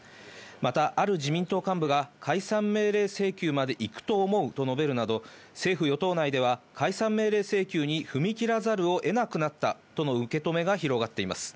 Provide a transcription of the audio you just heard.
また、ある自民党幹部が解散命令請求まで行くと思うと述べるなど、政府与党内では解散命令請求に踏み切らざるを得なくなったとの受け止めが広がっています。